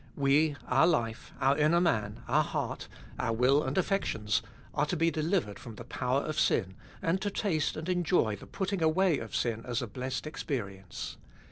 We, our life, our inner man, our heart, our will and affections, are to be delivered from the power of sin, and to taste and enjoy the putting away of sin as a blessed experience.